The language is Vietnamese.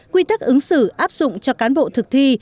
quy tắc ứng xử áp dụng cho cán bộ thực thi